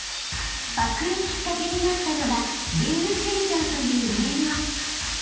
［パクるきっかけになったのが『ゲームチェンジャー』という映画］